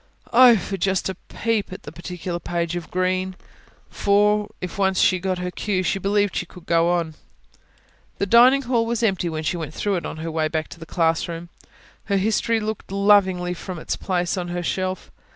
Oh, for just a peep at the particular page of Green! For, if once she got her cue, she believed she could go on. The dining hall was empty when she went through it on her way back to the classroom: her history looked lovingly at her from its place on the shelf.